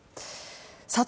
さあ